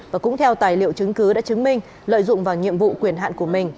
và cũng theo tài liệu chứng cứ đã chứng minh lợi dụng vào nhiệm vụ quyền hạn của mình